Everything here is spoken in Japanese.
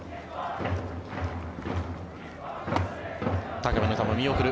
高めの球、見送る。